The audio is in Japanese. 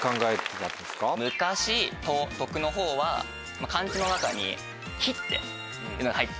「昔」「都」「得」の方は漢字の中に「日」っていうのが入って。